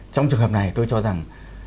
trong trường hợp này tôi cho rằng